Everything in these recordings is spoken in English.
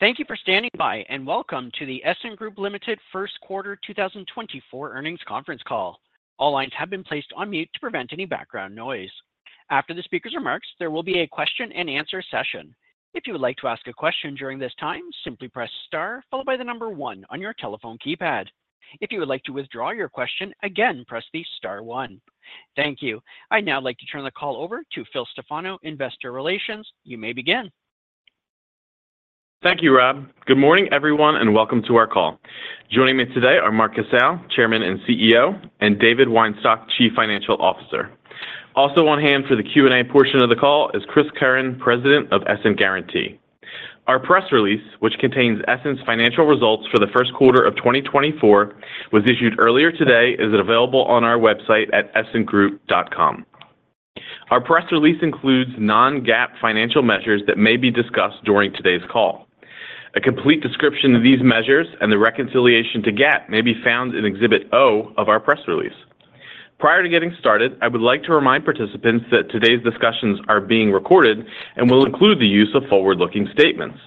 Thank you for standing by and welcome to the Essent Group Ltd. first quarter 2024 earnings conference call. All lines have been placed on mute to prevent any background noise. After the speaker's remarks, there will be a question-and-answer session. If you would like to ask a question during this time, simply press * followed by the number 1 on your telephone keypad. If you would like to withdraw your question, again, press the * 1. Thank you. I'd like to turn the call over to Phil Stefano, Investor Relations. You may begin. Thank you, Rob. Good morning, everyone, and welcome to our call. Joining me today are Mark Casale, Chairman and CEO, and David Weinstock, Chief Financial Officer. Also on hand for the Q&A portion of the call is Chris Curran, President of Essent Guaranty. Our press release, which contains Essent's financial results for the first quarter of 2024, was issued earlier today and is available on our website at essentgroup.com. Our press release includes non-GAAP financial measures that may be discussed during today's call. A complete description of these measures and the reconciliation to GAAP may be found in Exhibit L of our press release. Prior to getting started, I would like to remind participants that today's discussions are being recorded and will include the use of forward-looking statements.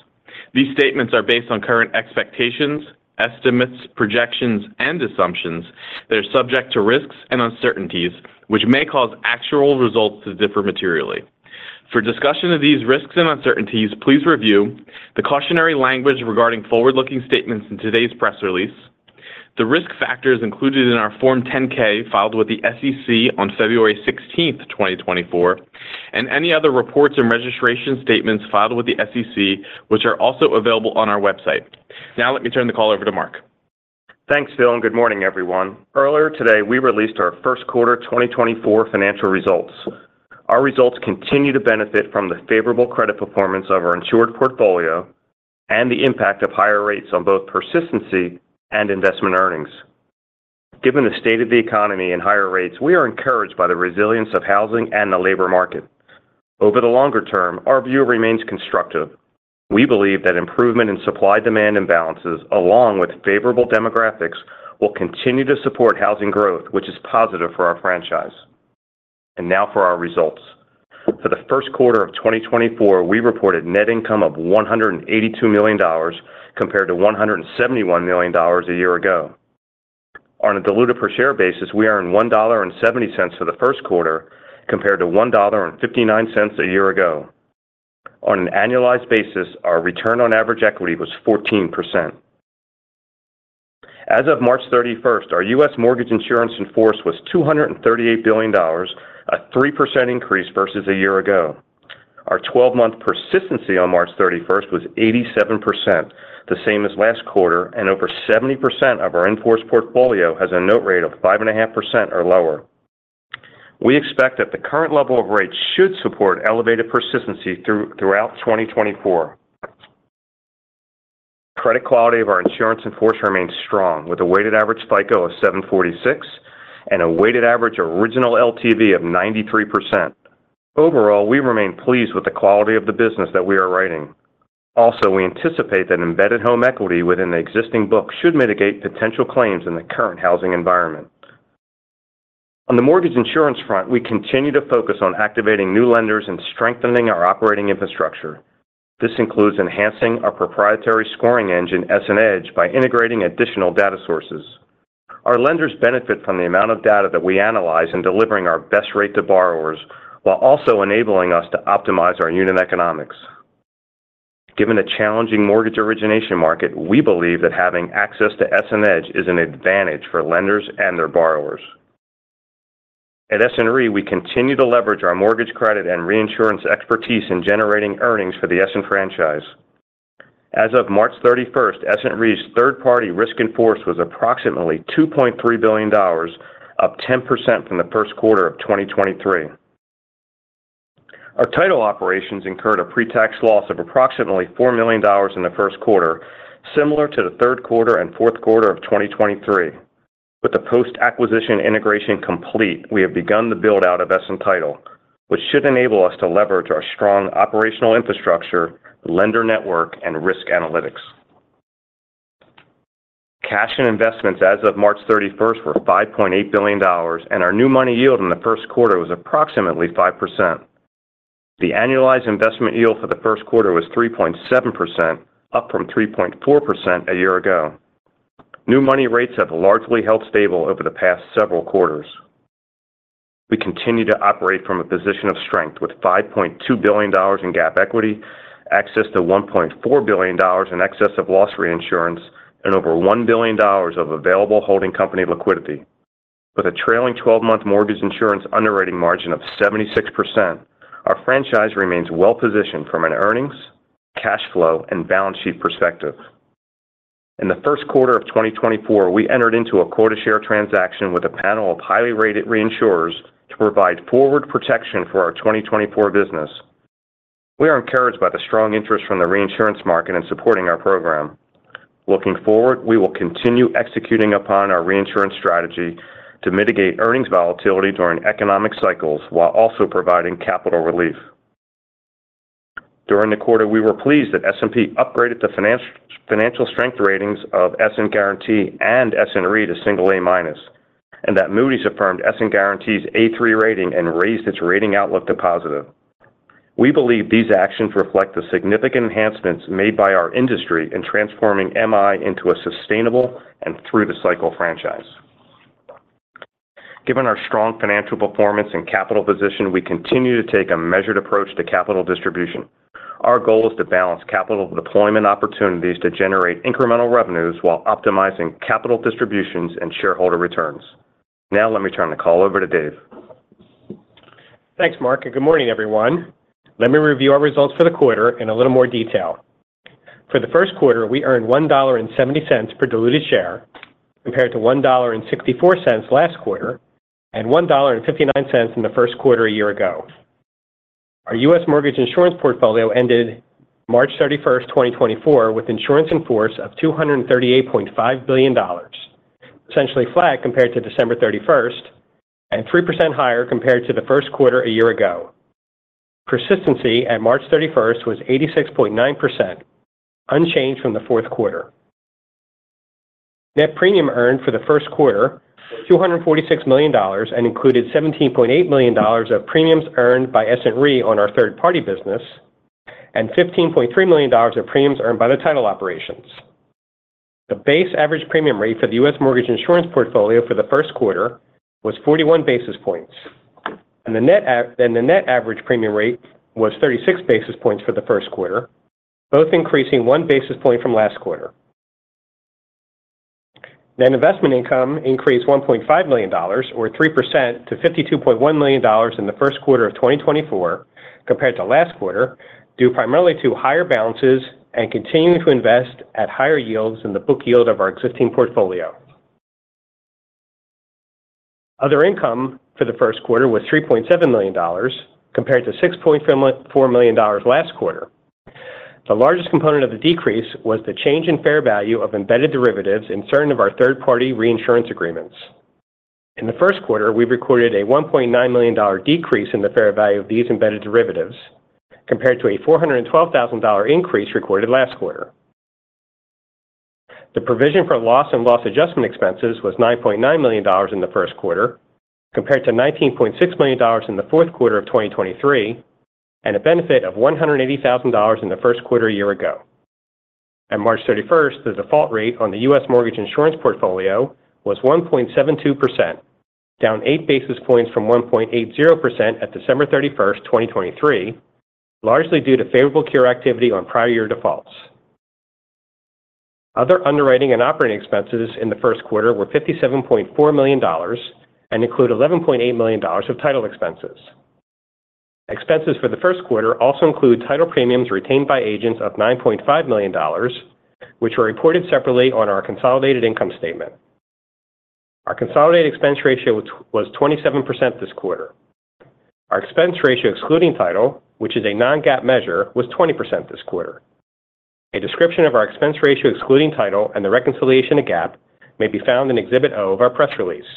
These statements are based on current expectations, estimates, projections, and assumptions. They're subject to risks and uncertainties, which may cause actual results to differ materially. For discussion of these risks and uncertainties, please review: the cautionary language regarding forward-looking statements in today's press release; the risk factors included in our Form 10-K filed with the SEC on February 16, 2024; and any other reports and registration statements filed with the SEC, which are also available on our website. Now let me turn the call over to Mark. Thanks, Phil, and good morning, everyone. Earlier today, we released our first quarter 2024 financial results. Our results continue to benefit from the favorable credit performance of our insured portfolio and the impact of higher rates on both persistency and investment earnings. Given the state of the economy and higher rates, we are encouraged by the resilience of housing and the labor market. Over the longer term, our view remains constructive. We believe that improvement in supply-demand imbalances, along with favorable demographics, will continue to support housing growth, which is positive for our franchise. Now for our results. For the first quarter of 2024, we reported net income of $182 million compared to $171 million a year ago. On a diluted-per-share basis, we earned $1.70 for the first quarter compared to $1.59 a year ago. On an annualized basis, our return on average equity was 14%. As of March 31st, our U.S. mortgage insurance in force was $238 billion, a 3% increase versus a year ago. Our 12-month persistency on March 31st was 87%, the same as last quarter, and over 70% of our in force portfolio has a note rate of 5.5% or lower. We expect that the current level of rates should support elevated persistency throughout 2024. Credit quality of our insurance in force remains strong, with a weighted average FICO of 746 and a weighted average original LTV of 93%. Overall, we remain pleased with the quality of the business that we are writing. Also, we anticipate that embedded home equity within the existing book should mitigate potential claims in the current housing environment. On the mortgage insurance front, we continue to focus on activating new lenders and strengthening our operating infrastructure. This includes enhancing our proprietary scoring engine, EssentEDGE, by integrating additional data sources. Our lenders benefit from the amount of data that we analyze in delivering our best rate to borrowers while also enabling us to optimize our unit economics. Given the challenging mortgage origination market, we believe that having access to EssentEDGE is an advantage for lenders and their borrowers. At Essent Re, we continue to leverage our mortgage credit and reinsurance expertise in generating earnings for the Essent franchise. As of March 31st, Essent Re's third-party risk in force was approximately $2.3 billion, up 10% from the first quarter of 2023. Our title operations incurred a pretax loss of approximately $4 million in the first quarter, similar to the third quarter and fourth quarter of 2023. With the post-acquisition integration complete, we have begun the buildout of Essent Title, which should enable us to leverage our strong operational infrastructure, lender network, and risk analytics. Cash and investments, as of March 31st, were $5.8 billion, and our new money yield in the first quarter was approximately 5%. The annualized investment yield for the first quarter was 3.7%, up from 3.4% a year ago. New money rates have largely held stable over the past several quarters. We continue to operate from a position of strength with $5.2 billion in GAAP equity, access to $1.4 billion in excess of loss reinsurance, and over $1 billion of available holding company liquidity. With a trailing 12-month mortgage insurance underwriting margin of 76%, our franchise remains well-positioned from an earnings, cash flow, and balance sheet perspective. In the first quarter of 2024, we entered into a quota-share transaction with a panel of highly rated reinsurers to provide forward protection for our 2024 business. We are encouraged by the strong interest from the reinsurance market in supporting our program. Looking forward, we will continue executing upon our reinsurance strategy to mitigate earnings volatility during economic cycles while also providing capital relief. During the quarter, we were pleased that S&P upgraded the financial strength ratings of Essent Guaranty and Essent Re to single A-minus, and that Moody's affirmed Essent Guaranty's A3 rating and raised its rating outlook to positive. We believe these actions reflect the significant enhancements made by our industry in transforming MI into a sustainable and through-the-cycle franchise. Given our strong financial performance and capital position, we continue to take a measured approach to capital distribution. Our goal is to balance capital deployment opportunities to generate incremental revenues while optimizing capital distributions and shareholder returns. Now let me turn the call over to Dave. Thanks, Mark, and good morning, everyone. Let me review our results for the quarter in a little more detail. For the first quarter, we earned $1.70 per diluted share compared to $1.64 last quarter and $1.59 in the first quarter a year ago. Our U.S. mortgage insurance portfolio ended March 31, 2024, with insurance in force of $238.5 billion, essentially flat compared to December 31st and 3% higher compared to the first quarter a year ago. Persistency at March 31st was 86.9%, unchanged from the fourth quarter. Net premium earned for the first quarter was $246 million and included $17.8 million of premiums earned by Essent Re on our third-party business and $15.3 million of premiums earned by the title operations. The base average premium rate for the U.S. mortgage insurance portfolio for the first quarter was 41 basis points, and the net average premium rate was 36 basis points for the first quarter, both increasing one basis point from last quarter. Net investment income increased $1.5 million or 3% to $52.1 million in the first quarter of 2024 compared to last quarter due primarily to higher balances and continuing to invest at higher yields than the book yield of our existing portfolio. Other income for the first quarter was $3.7 million compared to $6.4 million last quarter. The largest component of the decrease was the change in fair value of embedded derivatives in certain of our third-party reinsurance agreements. In the first quarter, we recorded a $1.9 million decrease in the fair value of these embedded derivatives compared to a $412,000 increase recorded last quarter. The provision for loss and loss adjustment expenses was $9.9 million in the first quarter compared to $19.6 million in the fourth quarter of 2023 and a benefit of $180,000 in the first quarter a year ago. On March 31st, the default rate on the U.S. mortgage insurance portfolio was 1.72%, down 8 basis points from 1.80% at December 31, 2023, largely due to favorable cure activity on prior year defaults. Other underwriting and operating expenses in the first quarter were $57.4 million and include $11.8 million of title expenses. Expenses for the first quarter also include title premiums retained by agents of $9.5 million, which were reported separately on our consolidated income statement. Our consolidated expense ratio was 27% this quarter. Our expense ratio excluding title, which is a non-GAAP measure, was 20% this quarter. A description of our expense ratio excluding title and the reconciliation to GAAP may be found in Exhibit L of our press release.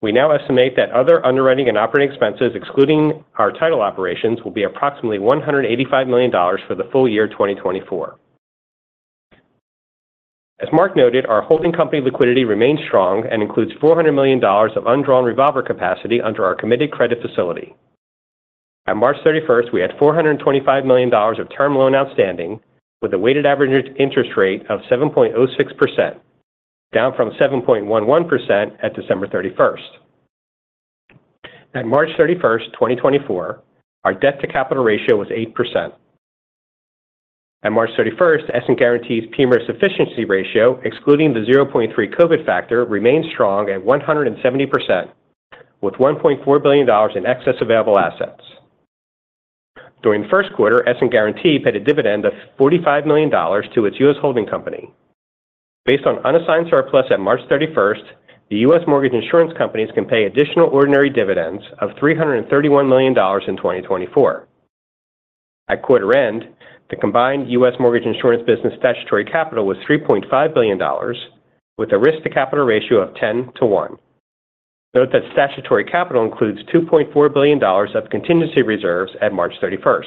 We now estimate that other underwriting and operating expenses excluding our title operations will be approximately $185 million for the full year 2024. As Mark noted, our holding company liquidity remains strong and includes $400 million of undrawn revolver capacity under our committed credit facility. On March 31st, we had $425 million of term loan outstanding with a weighted average interest rate of 7.06%, down from 7.11% at December 31st. On March 31, 2024, our debt-to-capital ratio was 8%. On March 31st, Essent Guaranty's PMIERs sufficiency ratio, excluding the 0.3 COVID factor, remained strong at 170% with $1.4 billion in excess available assets. During the first quarter, Essent Guaranty paid a dividend of $45 million to its U.S. holding company. Based on unassigned surplus at March 31st, the U.S. mortgage insurance companies can pay additional ordinary dividends of $331 million in 2024. At quarter end, the combined U.S. mortgage insurance business statutory capital was $3.5 billion, with a risk-to-capital ratio of 10 to 1. Note that statutory capital includes $2.4 billion of contingency reserves at March 31st.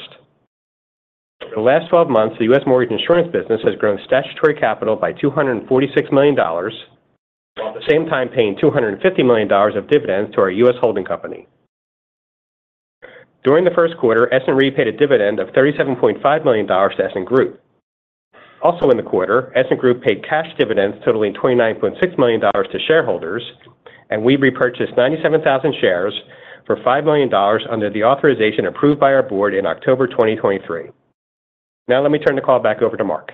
Over the last 12 months, the U.S. mortgage insurance business has grown statutory capital by $246 million while at the same time paying $250 million of dividends to our U.S. holding company. During the first quarter, Essent Re paid a dividend of $37.5 million to Essent Group. Also in the quarter, Essent Group paid cash dividends totaling $29.6 million to shareholders, and we repurchased 97,000 shares for $5 million under the authorization approved by our board in October 2023. Now let me turn the call back over to Mark.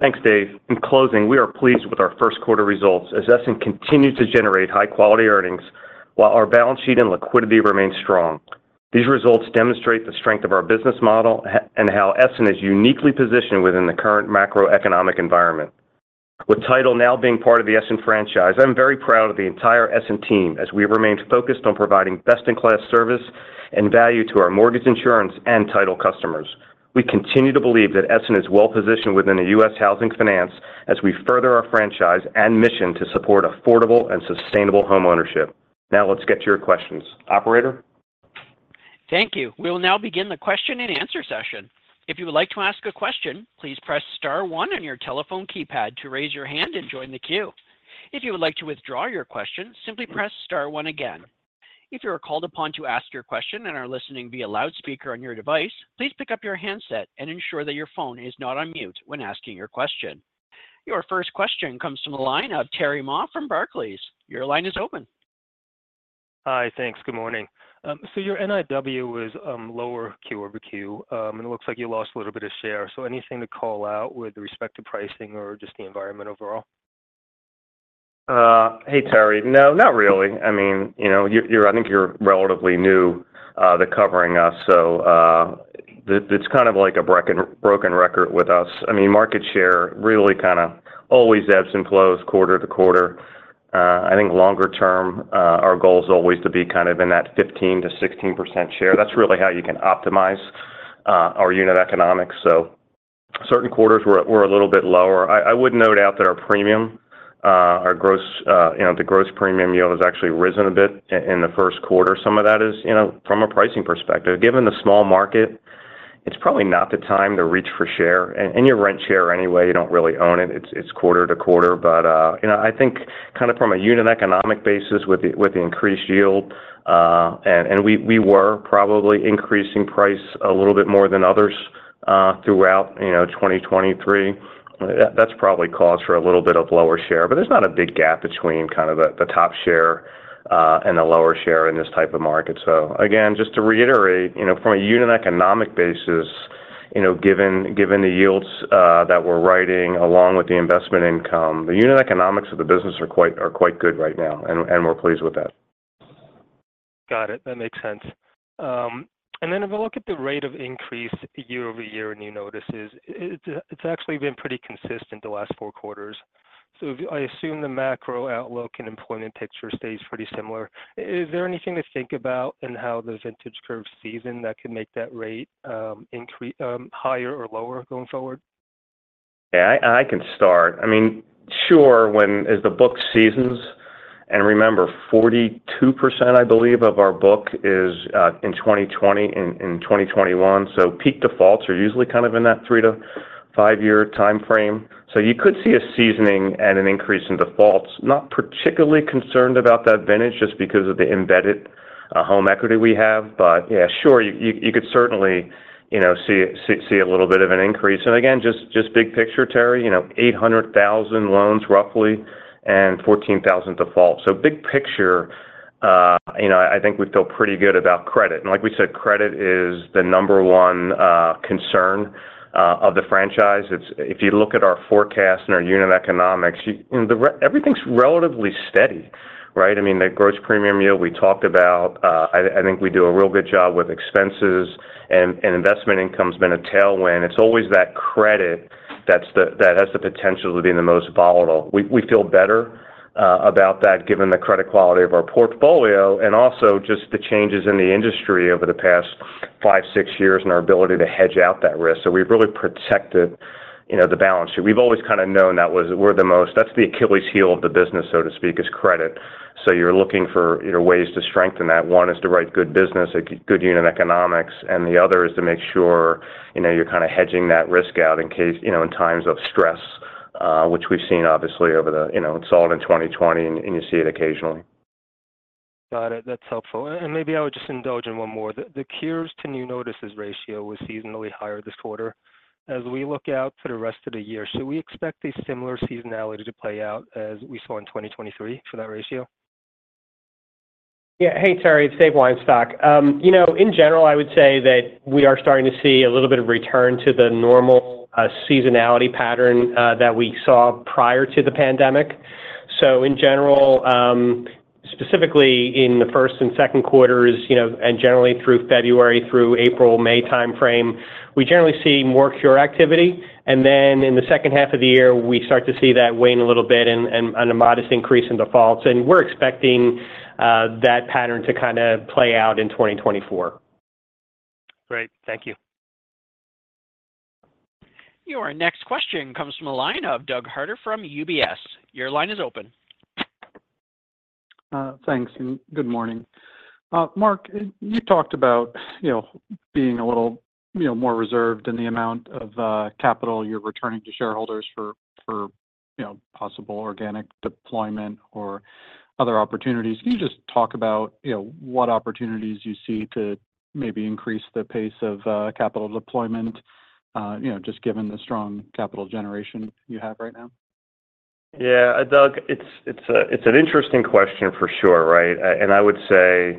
Thanks, Dave. In closing, we are pleased with our first quarter results as Essent continued to generate high-quality earnings while our balance sheet and liquidity remained strong. These results demonstrate the strength of our business model and how Essent is uniquely positioned within the current macroeconomic environment. With title now being part of the Essent franchise, I'm very proud of the entire Essent team as we have remained focused on providing best-in-class service and value to our mortgage insurance and title customers. We continue to believe that Essent is well-positioned within the U.S. housing finance as we further our franchise and mission to support affordable and sustainable home ownership. Now let's get to your questions. Operator? Thank you. We will now begin the question-and-answer session. If you would like to ask a question, please press star 1 on your telephone keypad to raise your hand and join the queue. If you would like to withdraw your question, simply press star 1 again. If you are called upon to ask your question and are listening via loudspeaker on your device, please pick up your handset and ensure that your phone is not on mute when asking your question. Your first question comes from the line of Terry Ma from Barclays. Your line is open. Hi. Thanks. Good morning. So your NIW was lower quarter-over-quarter, and it looks like you lost a little bit of share. So anything to call out with respect to pricing or just the environment overall? Hey, Terry. No, not really. I mean, you know, you, I think you're relatively new to covering us, so it's kind of like a broken record with us. I mean, market share really kind of always ebbs and flows quarter to quarter. I think longer term, our goal is always to be kind of in that 15%-16% share. That's really how you can optimize our unit economics, so certain quarters we're a little bit lower. I would note out that our premium, our gross, you know, the gross premium yield has actually risen a bit in the first quarter. Some of that is, you know, from a pricing perspective. Given the small market, it's probably not the time to reach for share. And your run-rate share anyway, you don't really own it. It's quarter-to-quarter. But, you know, I think kind of from a unit economic basis with the increased yield, and we were probably increasing price a little bit more than others throughout, you know, 2023, that's probably caused for a little bit of lower share. But there's not a big gap between kind of the top share and the lower share in this type of market. So again, just to reiterate, you know, from a unit economic basis, you know, given the yields that we're writing along with the investment income, the unit economics of the business are quite good right now, and we're pleased with that. Got it. That makes sense. And then if I look at the rate of increase year-over-year in your notices, it's actually been pretty consistent the last four quarters. So I assume the macro outlook and employment picture stays pretty similar. Is there anything to think about in how the vintage curve season that could make that rate higher or lower going forward? Yeah. I can start. I mean, sure, as the book seasons, and remember, 42%, I believe, of our book is in 2020 and 2021. So peak defaults are usually kind of in that 3-5-year time frame. So you could see a seasoning and an increase in defaults. Not particularly concerned about that vintage, just because of the embedded home equity we have. But yeah, sure, you could certainly, you know, see a little bit of an increase. And again, just big picture, Terry, you know, 800,000 loans roughly and 14,000 defaults. So big picture, you know, I think we feel pretty good about credit. And like we said, credit is the number one concern of the franchise. If you look at our forecast and our unit economics, everything's relatively steady, right? I mean, the gross premium yield we talked about, I think we do a real good job with expenses, and investment income's been a tailwind. It's always that credit that has the potential to be the most volatile. We feel better about that given the credit quality of our portfolio and also just the changes in the industry over the past five, six years and our ability to hedge out that risk. So we've really protected, you know, the balance sheet. We've always kind of known that we're the most that's the Achilles heel of the business, so to speak, is credit. So you're looking for ways to strengthen that. One is to write good business, good unit economics, and the other is to make sure you're kind of hedging that risk out in case you know, in times of stress, which we've seen obviously over the you know, it's all in 2020, and you see it occasionally. Got it. That's helpful. And maybe I would just indulge in one more. The cures to new notices ratio was seasonally higher this quarter. As we look out for the rest of the year, should we expect a similar seasonality to play out as we saw in 2023 for that ratio? Yeah. Hey, Terry. It's David Weinstock. You know, in general, I would say that we are starting to see a little bit of return to the normal seasonality pattern that we saw prior to the pandemic. So in general, specifically in the first and second quarters, you know, and generally through February through April, May time frame, we generally see more cures activity. And then in the second half of the year, we start to see that wane a little bit and a modest increase in defaults. And we're expecting that pattern to kind of play out in 2024. Great. Thank you. Your next question comes from the line of Doug Harter from UBS. Your line is open. Thanks. And good morning. Mark, you talked about, you know, being a little, you know, more reserved in the amount of capital you're returning to shareholders for, you know, possible organic deployment or other opportunities. Can you just talk about, you know, what opportunities you see to maybe increase the pace of capital deployment, you know, just given the strong capital generation you have right now? Yeah. Doug, it's an interesting question for sure, right? I would say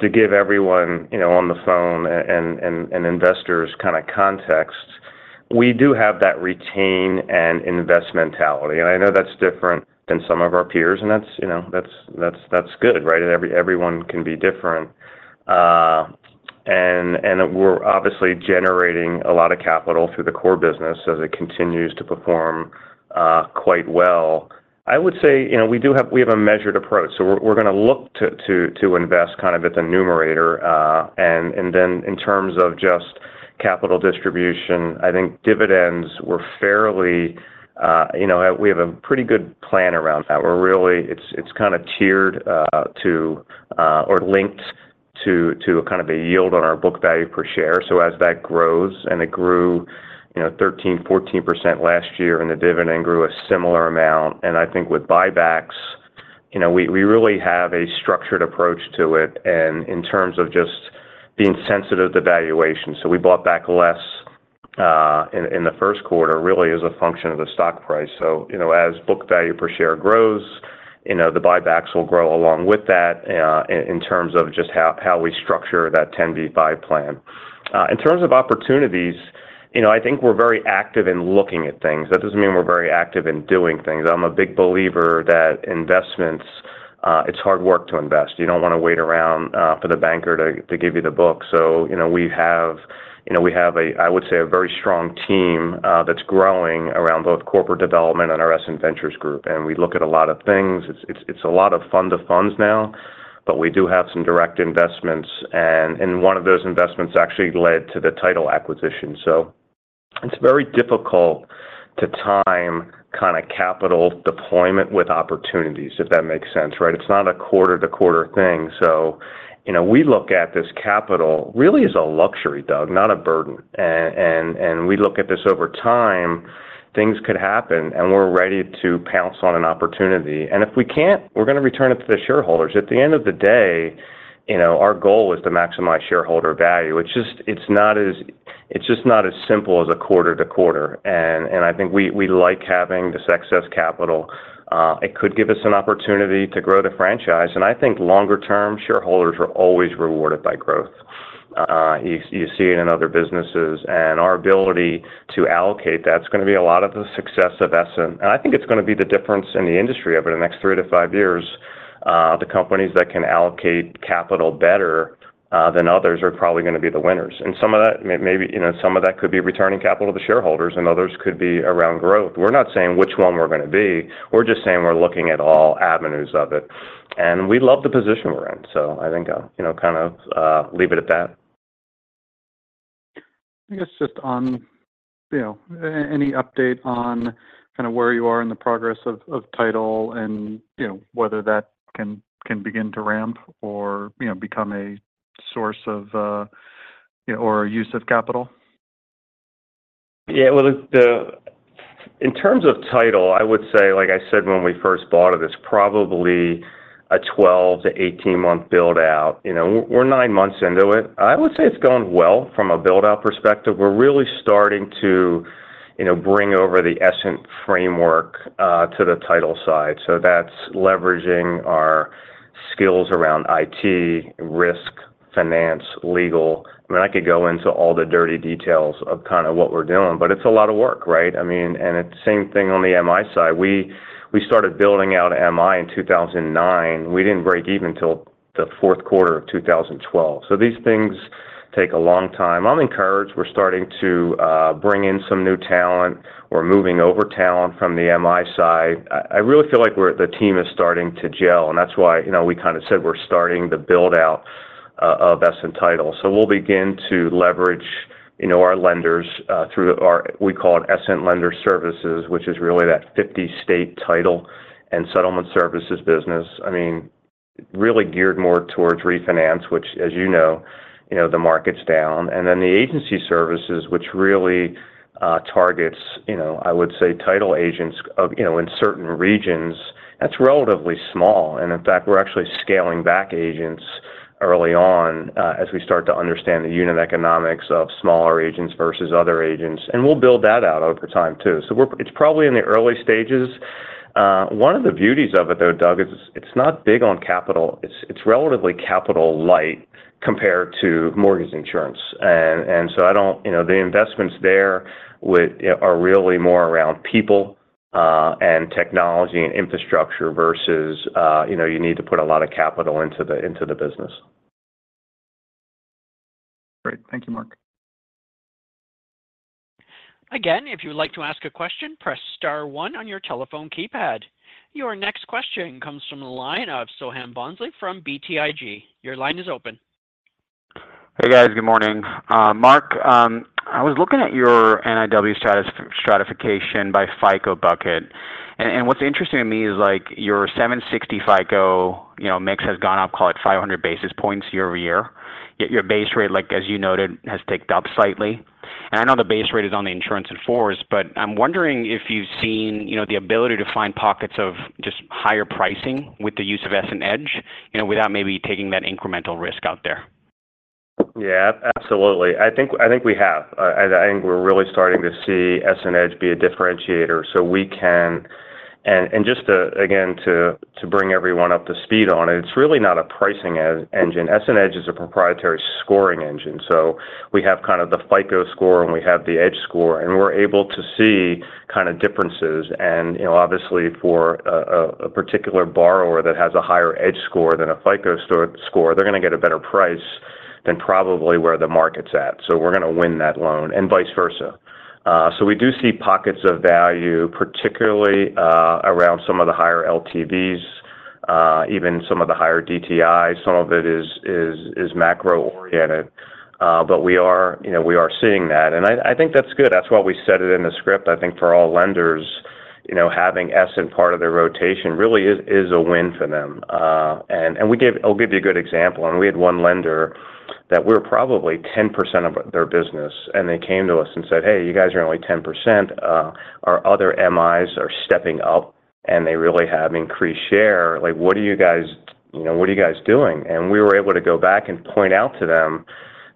to give everyone, you know, on the phone and investors kind of context, we do have that retain and invest mentality. I know that's different than some of our peers, and that's, you know, that's good, right? Everyone can be different. We're obviously generating a lot of capital through the core business as it continues to perform quite well. I would say, you know, we have a measured approach. So we're going to look to invest kind of at the numerator. Then in terms of just capital distribution, I think dividends. We're fairly, you know, we have a pretty good plan around that. We're really. It's kind of tiered to or linked to kind of a yield on our book value per share. So as that grows and it grew, you know, 13%-14% last year in the dividend, grew a similar amount. I think with buybacks, you know, we really have a structured approach to it and in terms of just being sensitive to valuation. So we bought back less in the first quarter really as a function of the stock price. So, you know, as book value per share grows, you know, the buybacks will grow along with that in terms of just how we structure that 10b-5 plan. In terms of opportunities, you know, I think we're very active in looking at things. That doesn't mean we're very active in doing things. I'm a big believer that investments, it's hard work to invest. You don't want to wait around for the banker to give you the book. So, you know, we have a, I would say, a very strong team that's growing around both corporate development and our Essent Ventures Group. And we look at a lot of things. It's a lot of fund of funds now, but we do have some direct investments. And one of those investments actually led to the title acquisition. So it's very difficult to time kind of capital deployment with opportunities, if that makes sense, right? It's not a quarter-to-quarter thing. So, you know, we look at this capital really as a luxury, Doug, not a burden. And we look at this over time. Things could happen, and we're ready to pounce on an opportunity. And if we can't, we're going to return it to the shareholders. At the end of the day, you know, our goal is to maximize shareholder value. It's just not as simple as a quarter-to-quarter. I think we like having this excess capital. It could give us an opportunity to grow the franchise. I think longer-term, shareholders are always rewarded by growth. You see it in other businesses. Our ability to allocate, that's going to be a lot of the success of Essent. I think it's going to be the difference in the industry over the next three to five years. The companies that can allocate capital better than others are probably going to be the winners. Some of that, maybe, you know, some of that could be returning capital to the shareholders, and others could be around growth. We're not saying which one we're going to be. We're just saying we're looking at all avenues of it. We love the position we're in. I think I'll, you know, kind of leave it at that. I guess just on, you know, any update on kind of where you are in the progress of title and, you know, whether that can begin to ramp or, you know, become a source of, you know, or a use of capital? Yeah. Well, in terms of title, I would say, like I said when we first bought it, it's probably a 12-18-month build-out. You know, we're 9 months into it. I would say it's going well from a build-out perspective. We're really starting to, you know, bring over the Essent framework to the title side. So that's leveraging our skills around IT, risk, finance, legal. I mean, I could go into all the dirty details of kind of what we're doing, but it's a lot of work, right? I mean, and same thing on the MI side. We started building out MI in 2009. We didn't break even until the fourth quarter of 2012. So these things take a long time. I'm encouraged. We're starting to bring in some new talent. We're moving over talent from the MI side. I really feel like we're, the team is starting to gel. And that's why, you know, we kind of said we're starting the build-out of Essent Title. So we'll begin to leverage, you know, our lenders through our we call it Essent Lender Services, which is really that 50-state title and settlement services business. I mean, really geared more towards refinance, which, as you know, you know, the market's down. And then the agency services, which really targets, you know, I would say, title agents of, you know, in certain regions, that's relatively small. And in fact, we're actually scaling back agents early on as we start to understand the unit economics of smaller agents versus other agents. And we'll build that out over time too. So it's probably in the early stages. One of the beauties of it, though, Doug, is it's not big on capital. It's relatively capital-light compared to mortgage insurance. And so, I don't, you know, the investments there are really more around people and technology and infrastructure versus, you know, you need to put a lot of capital into the business. Great. Thank you, Mark. Again, if you would like to ask a question, press star one on your telephone keypad. Your next question comes from the line of Soham Bhonsle from BTIG. Your line is open. Hey, guys. Good morning. Mark, I was looking at your NIW stratification by FICO bucket. What's interesting to me is, like, your 760 FICO, you know, mix has gone up, call it 500 basis points year-over-year. Yet your base rate, like, as you noted, has ticked up slightly. I know the base rate is on the insurance in force, but I'm wondering if you've seen, you know, the ability to find pockets of just higher pricing with the use of EssentEDGE, you know, without maybe taking that incremental risk out there. Yeah. Absolutely. I think we have. I think we're really starting to see EssentEDGE be a differentiator so we can and just to, again, to bring everyone up to speed on it, it's really not a pricing engine. EssentEDGE is a proprietary scoring engine. So we have kind of the FICO score, and we have the Edge score. And we're able to see kind of differences. And, you know, obviously, for a particular borrower that has a higher Edge score than a FICO score, they're going to get a better price than probably where the market's at. So we're going to win that loan and vice versa. So we do see pockets of value, particularly around some of the higher LTVs, even some of the higher DTIs. Some of it is macro-oriented, but we are you know, we are seeing that. And I think that's good. That's why we set it in the script. I think for all lenders, you know, having Essent part of their rotation really is a win for them. And we gave, I'll give you a good example. And we had one lender that we were probably 10% of their business. And they came to us and said, "Hey, you guys are only 10%. Our other MIs are stepping up, and they really have increased share. Like, what are you guys you know, what are you guys doing?" And we were able to go back and point out to them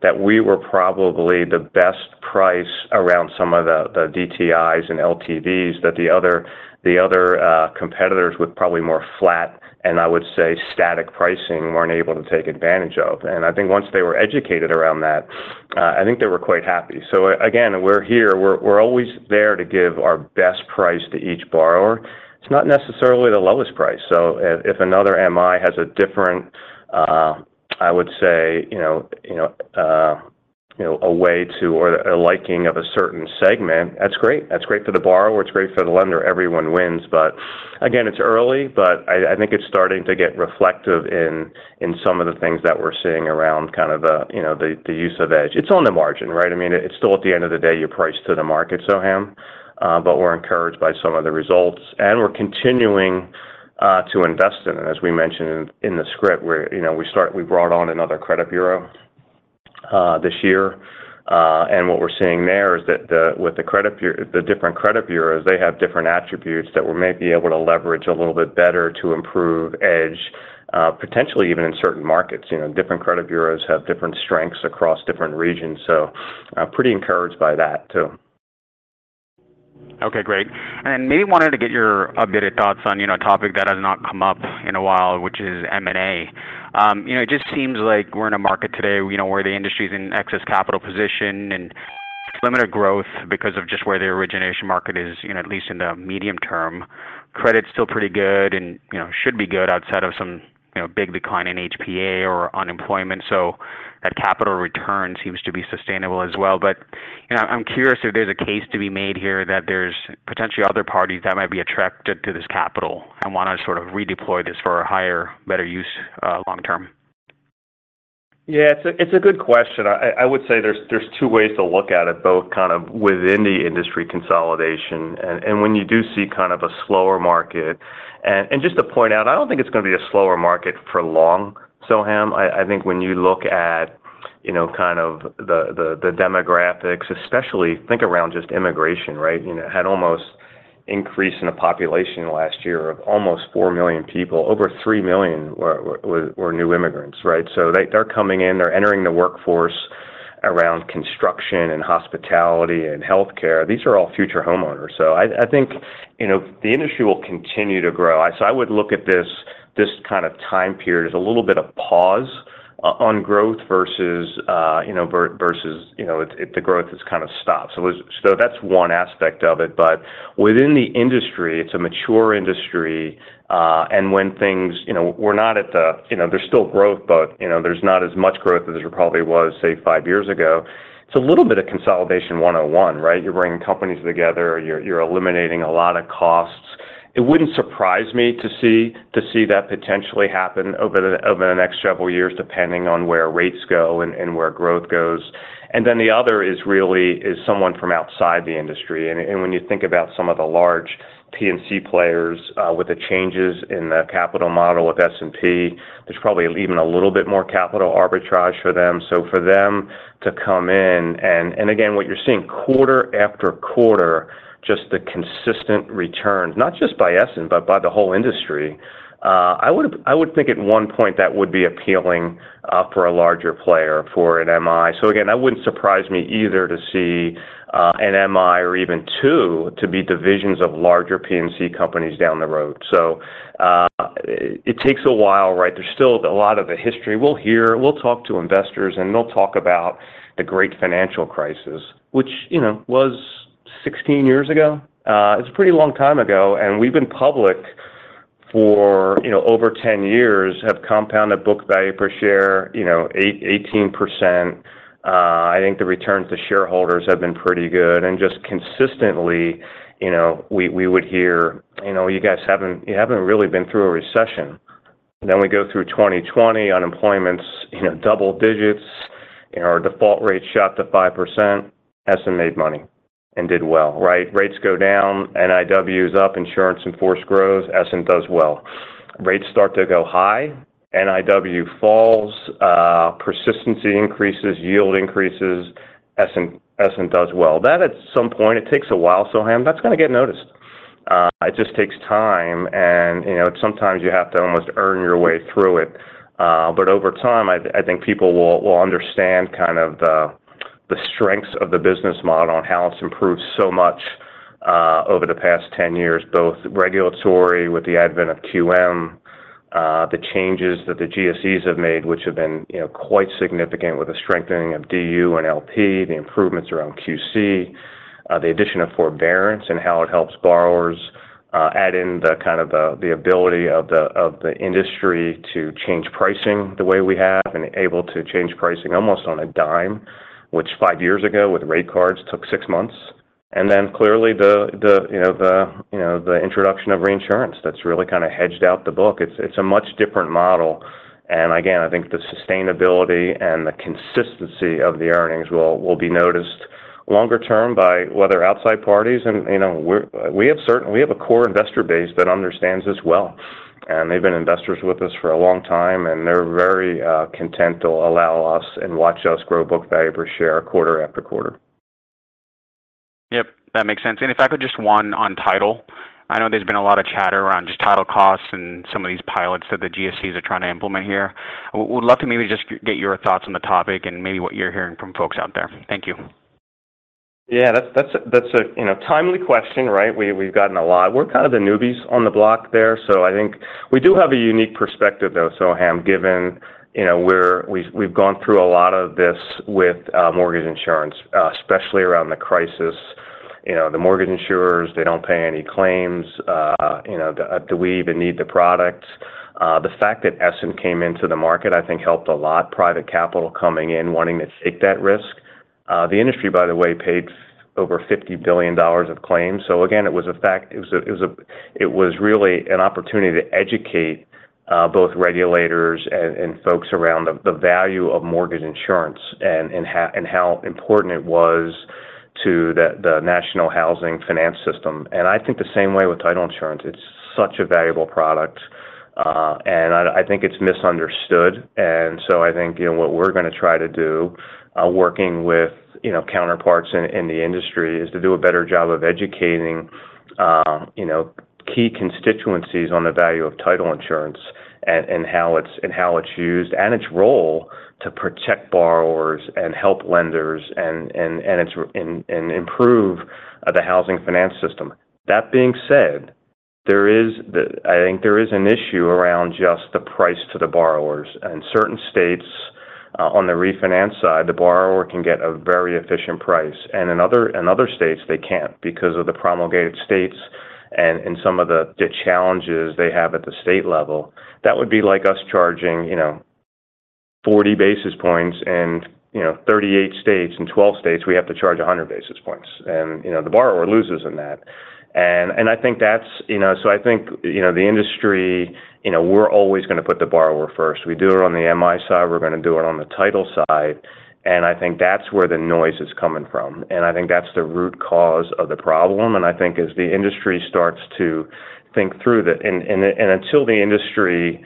that we were probably the best price around some of the DTIs and LTVs that the other competitors with probably more flat and, I would say, static pricing weren't able to take advantage of. And I think once they were educated around that, I think they were quite happy. So again, we're here. We're always there to give our best price to each borrower. It's not necessarily the lowest price. So if another MI has a different, I would say, you know, a way to or a liking of a certain segment, that's great. That's great for the borrower. It's great for the lender. Everyone wins. But again, it's early, but I think it's starting to get reflective in some of the things that we're seeing around kind of the use of Edge. It's on the margin, right? I mean, it's still at the end of the day, you price to the market, Soham. But we're encouraged by some of the results. And we're continuing to invest in it. And as we mentioned in the script, we brought on another credit bureau this year. And what we're seeing there is that with the different credit bureaus, they have different attributes that we're maybe able to leverage a little bit better to improve E dge, potentially even in certain markets. You know, different credit bureaus have different strengths across different regions. So pretty encouraged by that too. Okay. Great. And then maybe wanted to get your updated thoughts on, you know, a topic that has not come up in a while, which is M&A. You know, it just seems like we're in a market today, you know, where the industry's in excess capital position and limited growth because of just where the origination market is, you know, at least in the medium term. Credit's still pretty good and, you know, should be good outside of some, you know, big decline in HPA or unemployment. So that capital return seems to be sustainable as well. You know, I'm curious if there's a case to be made here that there's potentially other parties that might be attracted to this capital and want to sort of redeploy this for a higher, better use long term. Yeah. It's a good question. I would say there's two ways to look at it, both kind of within the industry consolidation. And when you do see kind of a slower market and just to point out, I don't think it's going to be a slower market for long, Soham. I think when you look at, you know, kind of the demographics, especially think around just immigration, right? You know, had almost increase in the population last year of almost four million people. Over three million were new immigrants, right? So they're coming in. They're entering the workforce around construction and hospitality and healthcare. These are all future homeowners. So I think, you know, the industry will continue to grow. So I would look at this kind of time period as a little bit of pause on growth versus, you know, you know, the growth has kind of stopped. So that's one aspect of it. But within the industry, it's a mature industry. And when things, you know, we're not at the you know, there's still growth, but, you know, there's not as much growth as there probably was, say, five years ago. It's a little bit of consolidation 101, right? You're bringing companies together. You're eliminating a lot of costs. It wouldn't surprise me to see that potentially happen over the next several years, depending on where rates go and where growth goes. And then the other is really someone from outside the industry. And when you think about some of the large P&C players with the changes in the capital model with S&P, there's probably even a little bit more capital arbitrage for them. So for them to come in and again, what you're seeing quarter after quarter, just the consistent returns, not just by Essent, but by the whole industry, I would think at one point that would be appealing for a larger player for an MI. So again, that wouldn't surprise me either to see an MI or even two to be divisions of larger P&C companies down the road. So it takes a while, right? There's still a lot of the history. We'll hear. We'll talk to investors, and they'll talk about the Great Financial Crisis, which, you know, was 16 years ago. It's a pretty long time ago. And we've been public for, you know, over 10 years, have compounded book value per share, you know, 18%. I think the returns to shareholders have been pretty good. And just consistently, you know, we would hear, you know, you guys haven't really been through a recession. Then we go through 2020, unemployment, you know, double digits. Our default rate shot to 5%. Essent made money and did well, right? Rates go down. NIW is up. Insurance in force growth. Essent does well. Rates start to go high. NIW falls. Persistency increases. Yield increases. Essent does well. That at some point, it takes a while, Soham. That's going to get noticed. It just takes time. And, you know, sometimes you have to almost earn your way through it. But over time, I think people will understand kind of the strengths of the business model and how it's improved so much over the past 10 years, both regulatory with the advent of QM, the changes that the GSEs have made, which have been, you know, quite significant with the strengthening of DU and LP, the improvements around QC, the addition of forbearance and how it helps borrowers add in the kind of the ability of the industry to change pricing the way we have and able to change pricing almost on a dime, which 5 years ago with rate cards took 6 months. And then clearly, you know, the introduction of reinsurance that's really kind of hedged out the book. It's a much different model. And again, I think the sustainability and the consistency of the earnings will be noticed longer term by whether outside parties. You know, we have a core investor base that understands this well. And they've been investors with us for a long time. And they're very content to allow us and watch us grow book value per share quarter-after-quarter. Yep. That makes sense. And if I could just one on title. I know there's been a lot of chatter around just title costs and some of these pilots that the GSEs are trying to implement here. We'd love to maybe just get your thoughts on the topic and maybe what you're hearing from folks out there. Thank you. Yeah. That's a, you know, timely question, right? We've gotten a lot. We're kind of the newbies on the block there. So I think we do have a unique perspective, though, Soham, given, you know, we've gone through a lot of this with mortgage insurance, especially around the crisis. You know, the mortgage insurers, they don't pay any claims. You know, do we even need the product? The fact that Essent came into the market, I think, helped a lot private capital coming in wanting to take that risk. The industry, by the way, paid over $50 billion of claims. So again, it was a fact it was really an opportunity to educate both regulators and folks around the value of mortgage insurance and how important it was to the national housing finance system. And I think the same way with title insurance. It's such a valuable product. I think it's misunderstood. So I think, you know, what we're going to try to do, working with, you know, counterparts in the industry, is to do a better job of educating, you know, key constituencies on the value of title insurance and how it's used and its role to protect borrowers and help lenders and improve the housing finance system. That being said, I think there is an issue around just the price to the borrowers. In certain states, on the refinance side, the borrower can get a very efficient price. In other states, they can't because of the promulgated states and some of the challenges they have at the state level. That would be like us charging, you know, 40 basis points in, you know, 38 states. In 12 states, we have to charge 100 basis points. The borrower loses in that. And I think that's, you know, so I think, you know, the industry, you know, we're always going to put the borrower first. We do it on the MI side. We're going to do it on the title side. And I think that's where the noise is coming from. And I think that's the root cause of the problem. And I think as the industry starts to think through the and until the industry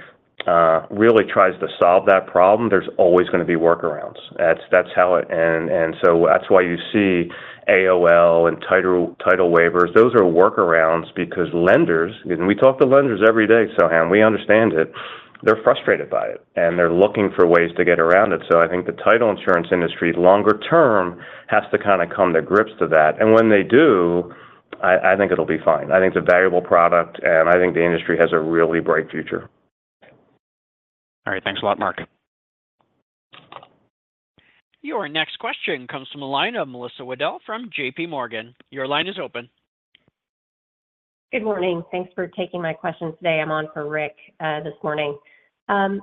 really tries to solve that problem, there's always going to be workarounds. That's how it and so that's why you see AOL and title waivers. Those are workarounds because lenders and we talk to lenders every day, Soham. We understand it. They're frustrated by it. And they're looking for ways to get around it. So I think the title insurance industry, longer term, has to kind of come to grips with that. When they do, I think it'll be fine. I think it's a valuable product. I think the industry has a really bright future. All right. Thanks a lot, Mark. Your next question comes from a line of Melissa Wedel from JPMorgan. Your line is open. Good morning. Thanks for taking my question today. I'm on for Rick this morning. I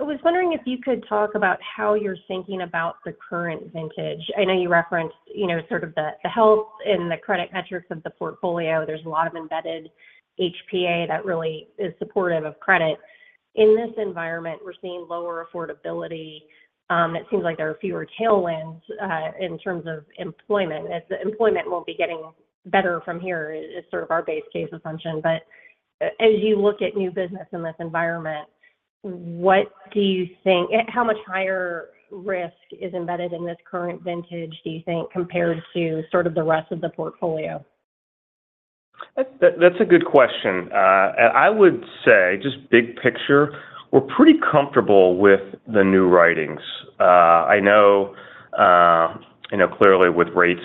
was wondering if you could talk about how you're thinking about the current vintage. I know you referenced, you know, sort of the health and the credit metrics of the portfolio. There's a lot of embedded HPA that really is supportive of credit. In this environment, we're seeing lower affordability. It seems like there are fewer tailwinds in terms of employment. The employment won't be getting better from here is sort of our base case assumption. But as you look at new business in this environment, what do you think how much higher risk is embedded in this current vintage, do you think, compared to sort of the rest of the portfolio? That's a good question. I would say, just big picture, we're pretty comfortable with the new writings. I know, you know, clearly with rates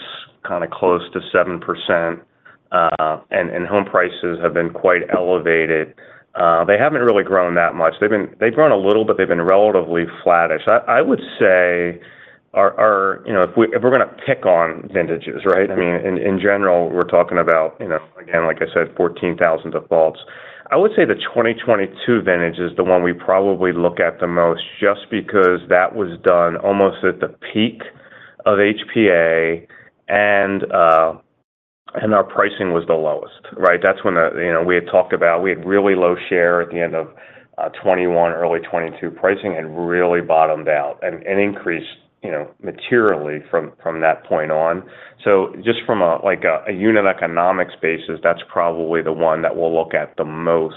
kind of close to 7% and home prices have been quite elevated, they haven't really grown that much. They've grown a little, but they've been relatively flatish. I would say, you know, if we're going to pick on vintages, right? I mean, in general, we're talking about, you know, again, like I said, 14,000 defaults. I would say the 2022 vintage is the one we probably look at the most just because that was done almost at the peak of HPA and our pricing was the lowest, right? That's when the, you know, we had talked about we had really low share at the end of 2021, early 2022 pricing had really bottomed out and increased, you know, materially from that point on. So just from a unit economics basis, that's probably the one that we'll look at the most.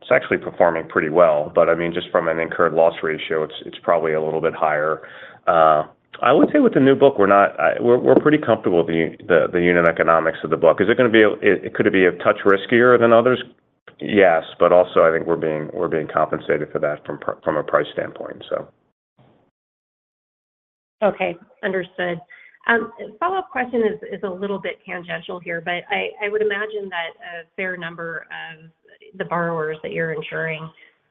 It's actually performing pretty well. But I mean, just from an incurred loss ratio, it's probably a little bit higher. I would say with the new book, we're pretty comfortable with the unit economics of the book. Is it going to be a touch riskier than others? Yes. But also, I think we're being compensated for that from a price standpoint, so. Okay. Understood. Follow-up question is a little bit tangential here, but I would imagine that a fair number of the borrowers that you're insuring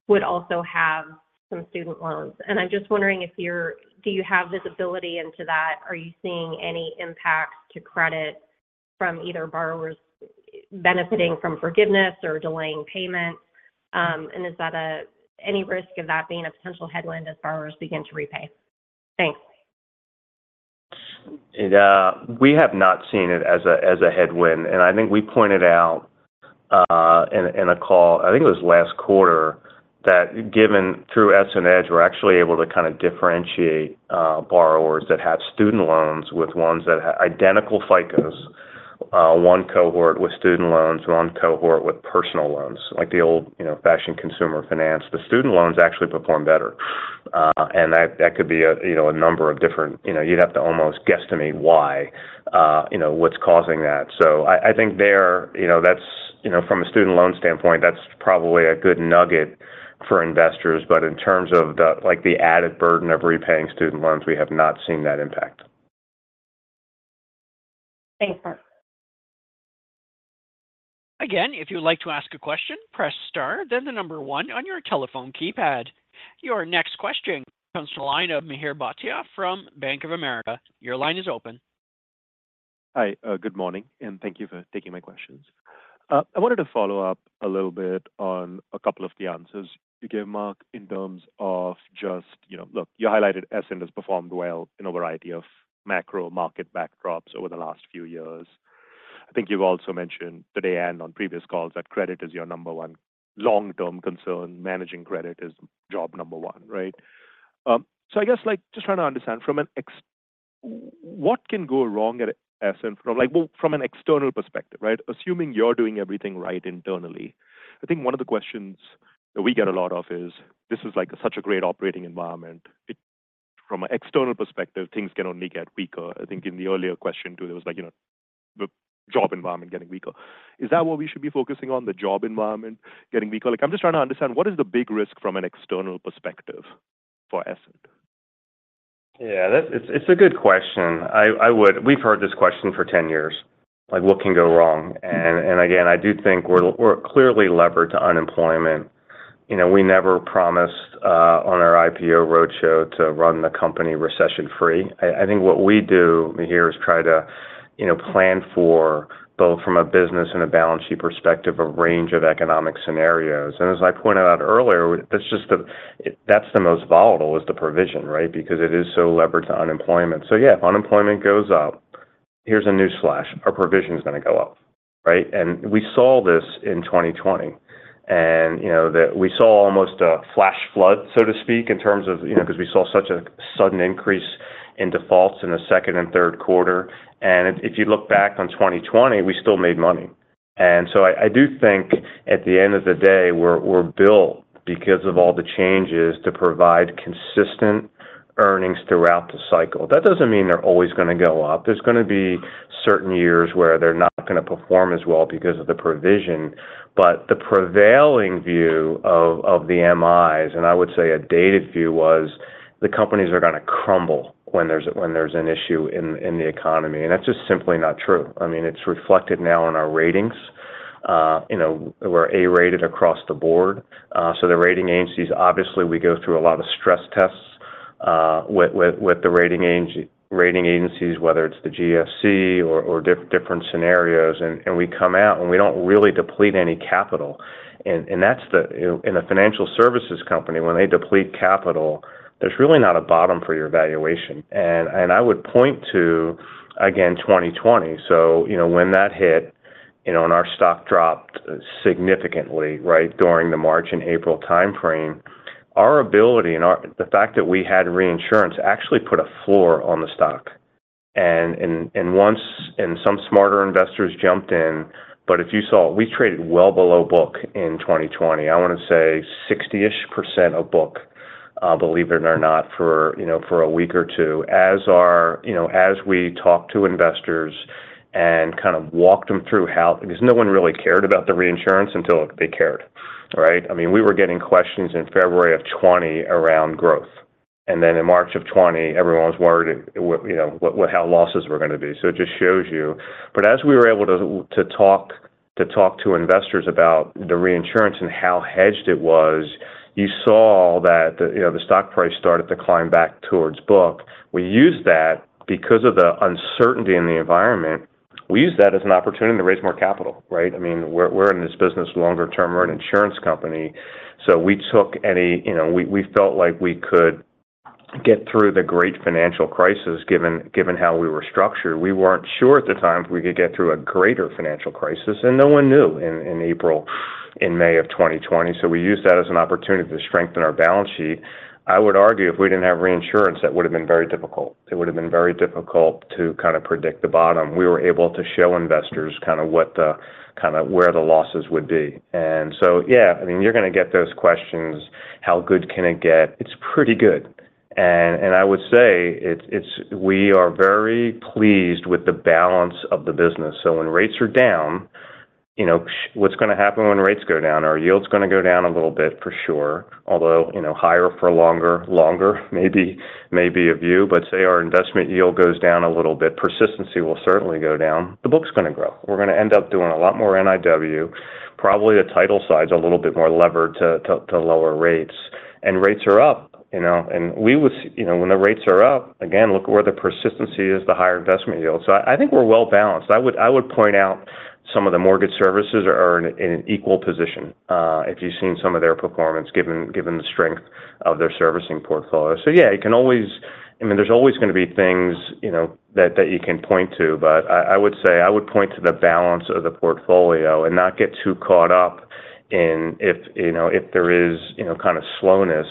would also have some student loans. And I'm just wondering if you're do you have visibility into that? Are you seeing any impacts to credit from either borrowers benefiting from forgiveness or delaying payments? And is that any risk of that being a potential headwind as borrowers begin to repay? Thanks. We have not seen it as a headwind. I think we pointed out in a call I think it was last quarter that given EssentEDGE, we're actually able to kind of differentiate borrowers that have student loans with ones that have identical FICOs, one cohort with student loans, one cohort with personal loans, like the old-fashioned consumer finance. The student loans actually perform better. And that could be a number of different you'd have to almost guesstimate why, you know, what's causing that. So I think there, you know, that's from a student loan standpoint, that's probably a good nugget for investors. But in terms of the added burden of repaying student loans, we have not seen that impact. Thanks, Mark. Again, if you'd like to ask a question, press star, then the number one on your telephone keypad. Your next question comes to the line of Mihir Bhatia from Bank of America. Your line is open. Hi. Good morning. Thank you for taking my questions. I wanted to follow up a little bit on a couple of the answers you gave, Mark, in terms of just, you know, look, you highlighted EssentEDGE has performed well in a variety of macro market backdrops over the last few years. I think you've also mentioned today and on previous calls that credit is your number one long-term concern. Managing credit is job number one, right? So I guess just trying to understand from an what can go wrong at EssentEDGE from an external perspective, right? Assuming you're doing everything right internally, I think one of the questions that we get a lot of is, "This is such a great operating environment. From an external perspective, things can only get weaker." I think in the earlier question too, there was like, you know, the job environment getting weaker. Is that what we should be focusing on, the job environment getting weaker? I'm just trying to understand what is the big risk from an external perspective for EssentEDGE? Yeah. It's a good question. We've heard this question for 10 years, like, "What can go wrong?" And again, I do think we're clearly levered to unemployment. You know, we never promised on our IPO roadshow to run the company recession-free. I think what we do here is try to, you know, plan for both from a business and a balance sheet perspective a range of economic scenarios. And as I pointed out earlier, that's just the most volatile is the provision, right? Because it is so levered to unemployment. So yeah, if unemployment goes up, here's a news flash. Our provision is going to go up, right? And we saw this in 2020. And, you know, we saw almost a flash flood, so to speak, in terms of, you know, because we saw such a sudden increase in defaults in the second and third quarter. If you look back on 2020, we still made money. So I do think at the end of the day, we're built because of all the changes to provide consistent earnings throughout the cycle. That doesn't mean they're always going to go up. There's going to be certain years where they're not going to perform as well because of the provision. But the prevailing view of the MIs, and I would say a dated view, was the companies are going to crumble when there's an issue in the economy. That's just simply not true. I mean, it's reflected now in our ratings. You know, we're A-rated across the board. So the rating agencies, obviously, we go through a lot of stress tests with the rating agencies, whether it's the GSE or different scenarios. We come out, and we don't really deplete any capital. In a financial services company, when they deplete capital, there's really not a bottom for your valuation. I would point to, again, 2020. So, you know, when that hit, you know, and our stock dropped significantly, right, during the March and April timeframe, our ability and the fact that we had reinsurance actually put a floor on the stock. And once and some smarter investors jumped in. But if you saw we traded well below book in 2020, I want to say 60%-ish of book, believe it or not, for a week or two, as we talked to investors and kind of walked them through how because no one really cared about the reinsurance until they cared, right? I mean, we were getting questions in February of 2020 around growth. And then in March of 2020, everyone was worried, you know, how losses were going to be. So it just shows you. But as we were able to talk to investors about the reinsurance and how hedged it was, you saw that the stock price started to climb back towards book. We used that because of the uncertainty in the environment. We used that as an opportunity to raise more capital, right? I mean, we're in this business longer term. We're an insurance company. So we took any, you know, we felt like we could get through the great financial crisis given how we were structured. We weren't sure at the time if we could get through a greater financial crisis. And no one knew in April, in May of 2020. So we used that as an opportunity to strengthen our balance sheet. I would argue if we didn't have reinsurance, that would have been very difficult. It would have been very difficult to kind of predict the bottom. We were able to show investors kind of what the kind of where the losses would be. And so yeah, I mean, you're going to get those questions. How good can it get? It's pretty good. And I would say we are very pleased with the balance of the business. So when rates are down, you know, what's going to happen when rates go down? Our yield's going to go down a little bit for sure, although, you know, higher for longer, longer maybe a view. But say our investment yield goes down a little bit, persistency will certainly go down. The book's going to grow. We're going to end up doing a lot more NIW, probably the title side's a little bit more levered to lower rates. And rates are up, you know. And we would, you know, when the rates are up, again, look where the persistency is, the higher investment yield. So I think we're well balanced. I would point out some of the mortgage servicers are in an equal position if you've seen some of their performance given the strength of their servicing portfolio. So yeah, you can always I mean, there's always going to be things, you know, that you can point to. But I would say I would point to the balance of the portfolio and not get too caught up in if, you know, if there is, you know, kind of slowness,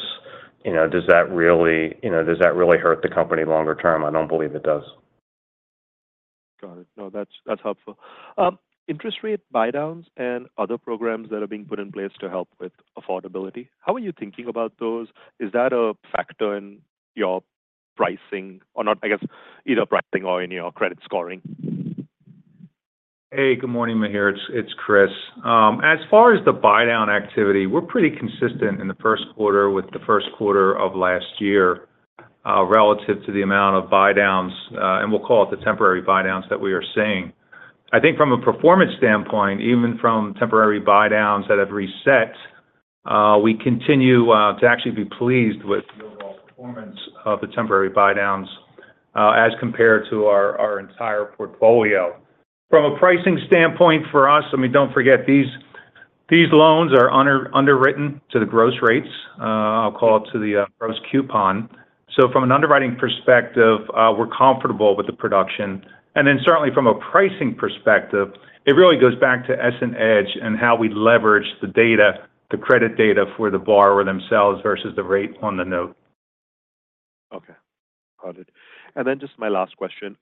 you know, does that really you know, does that really hurt the company longer term? I don't believe it does. Got it. No, that's helpful. Interest rate buydowns and other programs that are being put in place to help with affordability, how are you thinking about those? Is that a factor in your pricing or not, I guess, either pricing or in your credit scoring? Hey, good morning, Mihir. It's Chris. As far as the buydown activity, we're pretty consistent in the first quarter with the first quarter of last year relative to the amount of buydowns, and we'll call it the temporary buydowns that we are seeing. I think from a performance standpoint, even from temporary buydowns that have reset, we continue to actually be pleased with the overall performance of the temporary buydowns as compared to our entire portfolio. From a pricing standpoint for us, I mean, don't forget, these loans are underwritten to the gross rates. I'll call it to the gross coupon. So from an underwriting perspective, we're comfortable with the production. And then certainly, from a pricing perspective, it really goes back to EssentEDGE and how we leverage the data, the credit data for the borrower themselves versus the rate on the note. Okay. Got it. And then just my last question,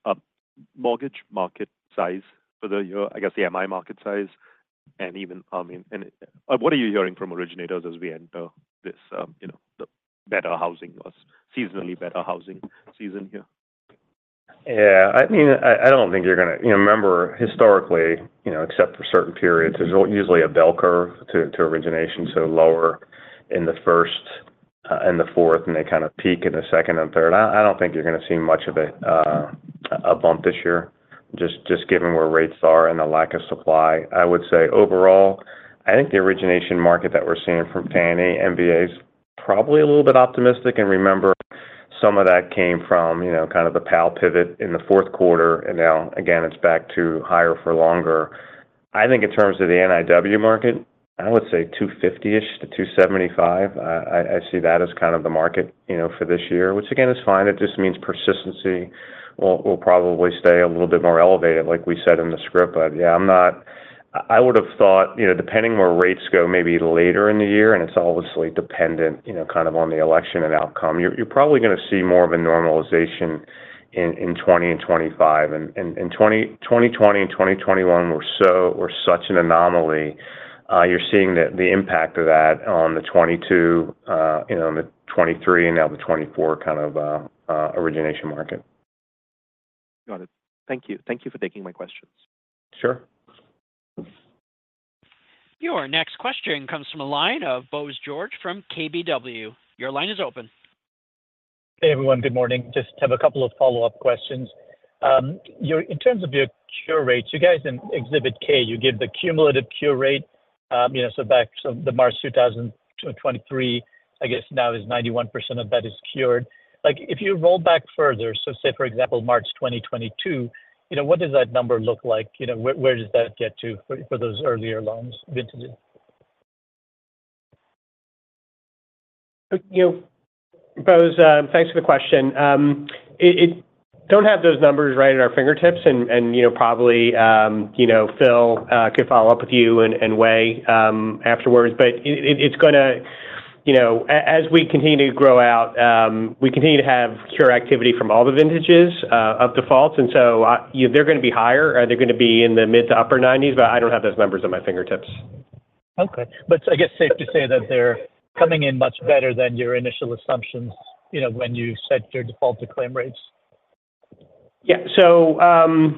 mortgage market size for the year, I guess the MI market size, and even I mean, what are you hearing from originators as we enter this, you know, the better housing or seasonally better housing season here? Yeah. I mean, I don't think you're going to, you know, remember, historically, you know, except for certain periods, there's usually a bell curve to origination. So lower in the first and the fourth, and they kind of peak in the second and third. I don't think you're going to see much of a bump this year just given where rates are and the lack of supply. I would say overall, I think the origination market that we're seeing from Fannie, MBA, probably a little bit optimistic. And remember, some of that came from, you know, kind of the Powell pivot in the fourth quarter. And now, again, it's back to higher for longer. I think in terms of the NIW market, I would say 250-ish to 275. I see that as kind of the market, you know, for this year, which, again, is fine. It just means persistency will probably stay a little bit more elevated, like we said in the script. But yeah, I'm not, I would have thought, you know, depending where rates go, maybe later in the year, and it's obviously dependent, you know, kind of on the election and outcome, you're probably going to see more of a normalization in 2020 and 2025. And 2020 and 2021 were such an anomaly. You're seeing the impact of that on the 2022, you know, and the 2023 and now the 2024 kind of origination market. Got it. Thank you. Thank you for taking my questions. Sure. Your next question comes from a line of Bose George from KBW. Your line is open. Hey, everyone. Good morning. Just have a couple of follow-up questions. In terms of your cure rates, you guys in Exhibit K, you give the cumulative cure rate, you know, so back to the March 2023, I guess now is 91% of that is cured. If you roll back further, so say, for example, March 2022, you know, what does that number look like? You know, where does that get to for those earlier loans, vintages? You know, Bose, thanks for the question. We don't have those numbers right at our fingertips. You know, probably, you know, Phil could follow up with you and weigh afterwards. But it's going to, you know, as we continue to grow out, we continue to have cure activity from all the vintages of defaults. And so they're going to be higher. They're going to be in the mid to upper 90s. But I don't have those numbers at my fingertips. Okay. But I guess safe to say that they're coming in much better than your initial assumptions, you know, when you set your default to claim rates? Yeah. So,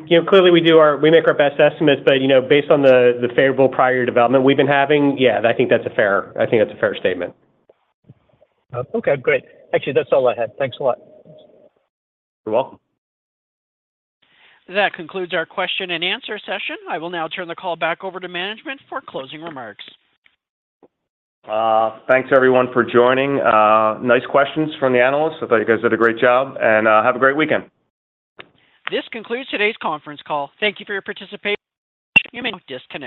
you know, clearly, we make our best estimates. But, you know, based on the favorable prior development we've been having, yeah, I think that's a fair statement. Okay. Great. Actually, that's all I had. Thanks a lot. You're welcome. That concludes our question and answer session. I will now turn the call back over to management for closing remarks. Thanks, everyone, for joining. Nice questions from the analysts. I thought you guys did a great job. Have a great weekend. This concludes today's conference call. Thank you for your participation. You may disconnect.